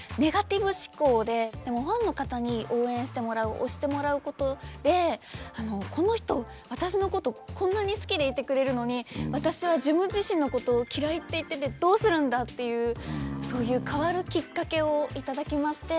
でもファンの方に応援してもらう推してもらうことでこの人私のことこんなに好きでいてくれるのに私は自分自身のことを嫌いって言っててどうするんだっていうそういう変わるきっかけを頂きまして。